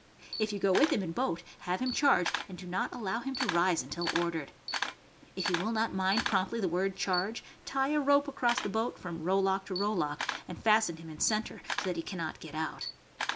If you go with him in boat, have him charge, and do not allow him to rise until ordered. If he will not mind promptly the word " charge," tie a rope across the boat from rowlock to rowlock, and fasten him in the center so that he can not get out.